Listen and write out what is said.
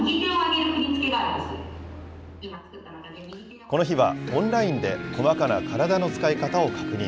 この日はオンラインで細かな体の使い方を確認。